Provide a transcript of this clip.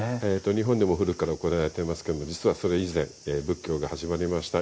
日本でも古くから行われていますけど実はそれ以前仏教が始まりました